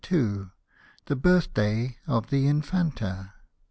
26 THE BIRTHDAY £ A OF THE INFANTA.